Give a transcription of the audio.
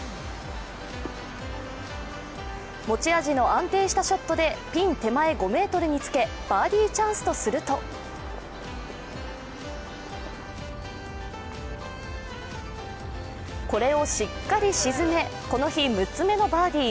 持ち味の安定したショットでピン手前５ｍにつけ、バーディーチャンスとするとこれをしっかり沈め、この日６つ目のバーディー。